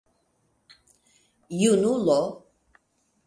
junulo